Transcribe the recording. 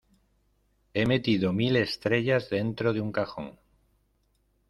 He metido mil estrellas dentro de un cajón.